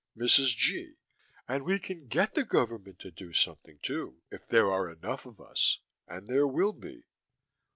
MRS. G.: And we can get the government to do something, too. If there are enough of us and there will be.